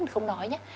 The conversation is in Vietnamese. không nói nhé